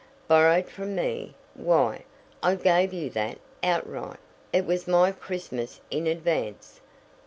"Borrowed from me? Why, I gave you that outright. It was my Christmas in advance.